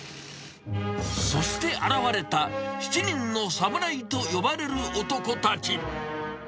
そして現れた七人の侍と呼ばれる男たち。